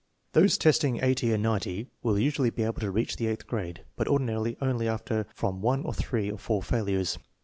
Those testing 80 and 90 will usually be able to reach, the eighth grade, but ordinarily only after from one to three or four failures.